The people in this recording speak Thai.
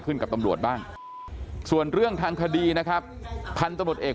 กับตำรวจบ้างส่วนเรื่องทางคดีนะครับพันธุ์ตำรวจเอก